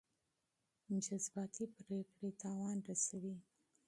احساساتي پریکړې تاوان رسوي.